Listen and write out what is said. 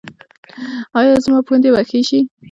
ایا زما پوندې به ښې شي؟